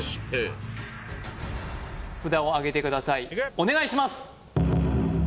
お願いします